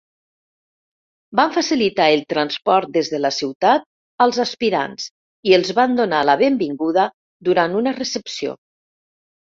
Van facilitar el transport des de la ciutat als aspirants i els van donar la benvinguda durant una recepció.